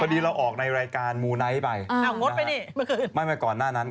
พอดีเราออกในรายการมูไนท์ไปอ้าวงดไปนี่เมื่อคืนไม่ไปก่อนหน้านั้น